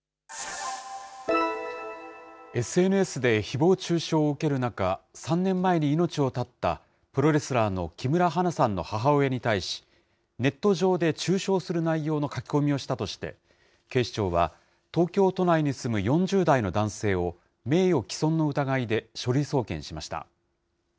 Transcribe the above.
ＳＮＳでひぼう中傷を受ける中、３年前に命を絶ったプロレスラーの木村花さんの母親に対し、ネット上で中傷する内容の書き込みをしたとして、警視庁は東京都内に住む４０代の男性を名誉毀損の疑いで書類送検しました。